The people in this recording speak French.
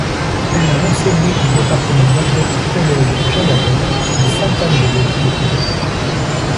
Elle a enseigné au Département d'anglais au Collège John Abbott à Sainte-Anne-de-Bellevue, au Québec.